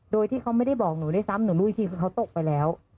โดยที่เขาไม่ได้บอกหนูด้วยซ้ำหนูรู้อีกทีคือเขาตกไปแล้ว